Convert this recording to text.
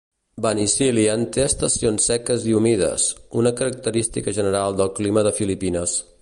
Banisilan té estacions seques i humides, una característica general del clima de Filipines.